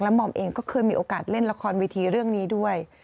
หม่อมเองก็เคยมีโอกาสเล่นละครเวทีเรื่องนี้ด้วย